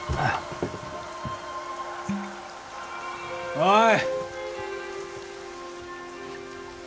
おい！